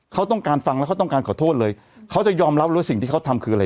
เขาต้องการฟังแล้วเขาต้องการขอโทษเลยเขาจะยอมรับว่าสิ่งที่เขาทำคืออะไร